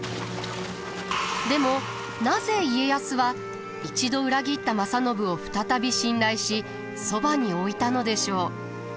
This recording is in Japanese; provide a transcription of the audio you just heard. でもなぜ家康は一度裏切った正信を再び信頼しそばに置いたのでしょう？